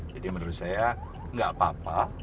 jadi menurut saya tidak apa apa